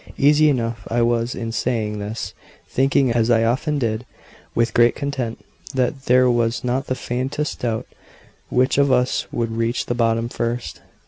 Easy enough I was in saying this, thinking, as I often did, with great content, that there was not the faintest doubt which of us would reach the bottom first.